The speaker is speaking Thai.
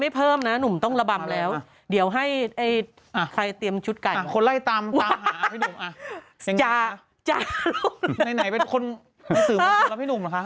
ไหนเป็นคนสื่อว่ารำให้หนุ่มหรือคะ